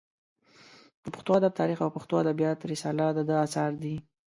د پښتو ادب تاریخ او پښتو ادبیات رساله د ده اثار دي.